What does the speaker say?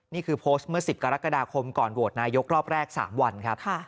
นี่คือโพสต์เมื่อ๑๐กรกฎาคมก่อนโหวตนายกรอบแรก๓วันครับ